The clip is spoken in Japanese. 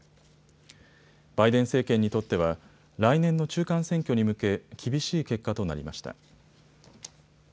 バイデン政権にとっては来年の中間選挙に向け厳しい結果となりました。